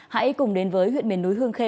hãy cùng đến với huyện miền núi hương khê